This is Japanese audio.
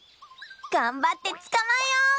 がんばってつかまえよう！